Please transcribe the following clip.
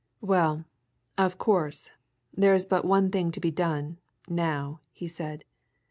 "Well, of course, there's but one thing to be done, now," he said.